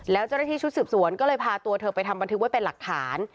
แล้วเจ้าหน้าที่ชุดสืบสวนก็เลยพาตัวเธอไปทำบันทึกไว้เป็นหลักฐาน